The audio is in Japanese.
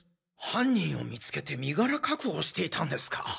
犯人を見つけて身柄確保していたんですか！？